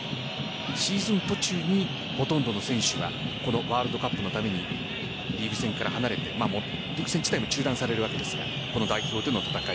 シーズン途中にほとんどの選手はワールドカップのためにリーグ戦から離れてリーグ戦も中断されるわけですが代表での戦い